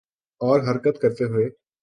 اور حرکت کرتے ہوئے